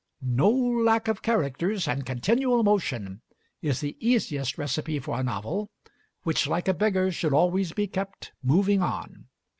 No lack of characters, and continual motion, is the easiest recipe for a novel, which like a beggar should always be kept "moving on."